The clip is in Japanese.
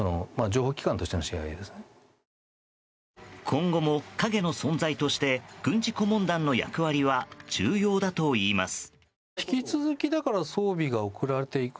今後も、陰の存在として軍事顧問団の役割は重要だといいます。